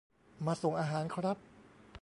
มาส่งอาหารครับ